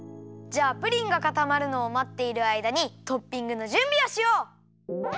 じゃあプリンがかたまるのをまっているあいだにトッピングのじゅんびをしよう！